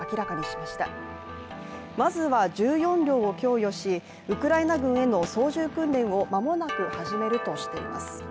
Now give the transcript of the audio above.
まずは１４両を供与し、ウクライナ軍への操縦訓練を間もなく始めるとしています。